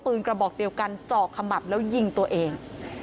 กระบอกเดียวกันเจาะขมับแล้วยิงตัวเอง